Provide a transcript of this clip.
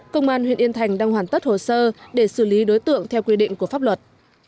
công an huyện yên thành đang hoàn tất hồ sơ để xử lý đối tượng theo quy định của pháp luật